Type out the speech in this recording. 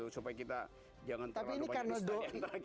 supaya kita jangan terlalu banyak